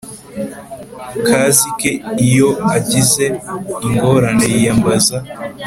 kazi ke Iyo agize ingorane yiyambaza